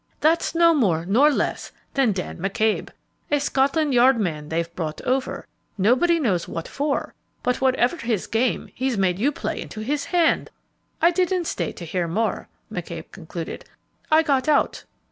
That's no more nor less than Dan McCabe, a Scotland Yard man they've brought over, nobody knows what for, but whatever his game, he's made you play into his hand! I didn't stay to hear more," McCabe concluded, "I got out."